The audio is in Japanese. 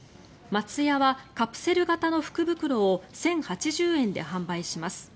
松屋はカプセル型の福袋を１０８０円で販売します。